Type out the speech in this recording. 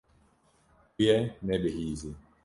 Tu yê nebihîzî.